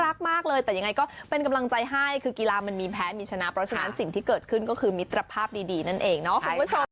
รักมากเลยแต่ยังไงก็เป็นกำลังใจให้คือกีฬามันมีแพ้มีชนะเพราะฉะนั้นสิ่งที่เกิดขึ้นก็คือมิตรภาพดีนั่นเองเนาะคุณผู้ชม